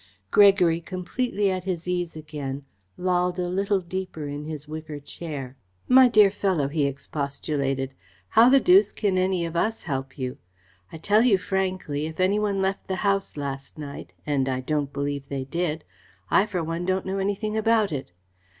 Gregory, completely at his ease again, lolled a little deeper in his wicker chair. "My dear fellow," he expostulated, "how the deuce can any of us help you? I tell you frankly, if any one left the house last night and I don't believe they did I for one don't know anything about it.